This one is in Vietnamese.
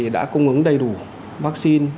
đã cung ứng đầy đủ vaccine